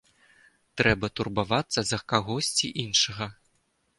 Трэба турбавацца за кагосьці іншага.